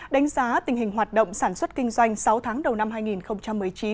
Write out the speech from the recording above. đánh giá tình hình hoạt động sản xuất kinh doanh sáu tháng đầu năm hai nghìn một mươi chín